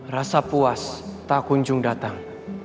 rasa puas tak kunjung datang